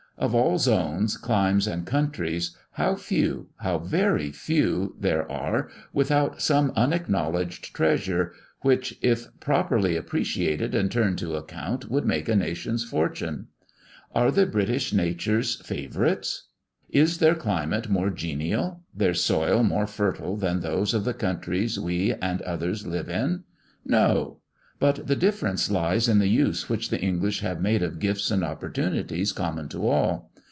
Of all zones, climes, and countries, how few, how very few there are without some unacknowledged treasure, which, if properly appreciated and turned to account would make a nation's fortune. Are the British Nature's favourites? Is their climate more genial; their soil more fertile than those of the countries we and others live in? No! but the difference lies in the use which the English have made of gifts and opportunities common to all.